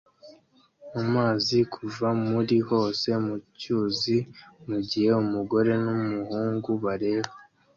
amazi kuva muri hose mu cyuzi mugihe umugore numuhungu bareba